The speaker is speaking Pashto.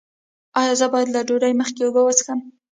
ایا زه باید له ډوډۍ مخکې اوبه وڅښم؟